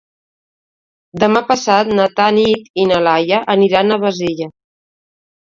Demà passat na Tanit i na Laia aniran a Bassella.